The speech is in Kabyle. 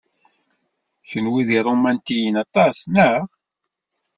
Kenwi d iṛumantiyen aṭas, naɣ?